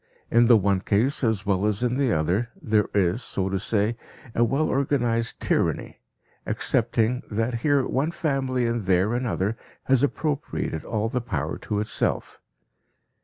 In the one case as well as in the other there is, so to say, a well organized tyranny, excepting that here one family and there another has appropriated all the power to itself.